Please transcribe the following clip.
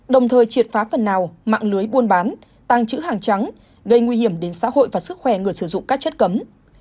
đồng thời triệt phá phần nào mạng lưới buôn bán tăng chữ hàng trắng gây nguy hiểm đến xã hội và sức khỏe người sử dụng các chất cấm